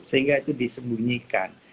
sehingga itu disembunyikan